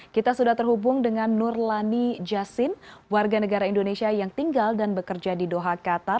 kita sudah terhubung dengan nur lani jasin warga negara indonesia yang tinggal dan bekerja di doha qatar